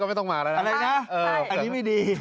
กลับมาแล้ว